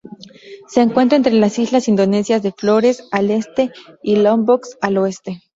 Se encuentra entre las islas indonesias de Flores, al este, y Lombok al oeste.